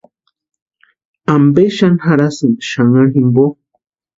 ¿Ampe xani jarhasïni xanharu jimpo?